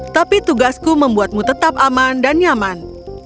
tapi tugasku membuatmu tetap aman dan nyaman